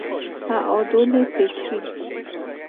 تعادل فکری